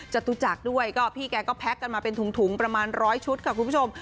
จตุจักรด้วยก็พี่แกก็แพ็คกันมาเป็นถุงประมาณร้อยชุดค่ะคุณผู้ชม